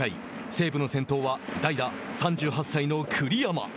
西武の先頭は代打３８歳の栗山。